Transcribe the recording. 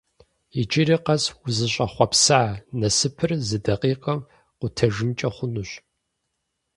Иджыри къэс узыщӀэхъуэпса насыпыр зы дакъикъэм къутэжынкӀэ хъунущ.